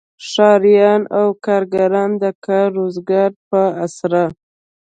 ښاریان او کارګران د کار روزګار په اسره.